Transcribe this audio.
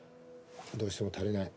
どうしても足りない。